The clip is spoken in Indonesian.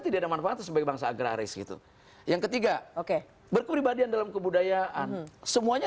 tidak manfaat sebagai bangsa agraris itu yang ketiga oke berkepribadian dalam kebudayaan semuanya